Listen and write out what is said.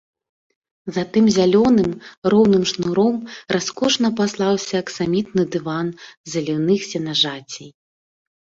За тым зялёным роўным шнуром раскошна паслаўся аксамітны дыван заліўных сенажацей.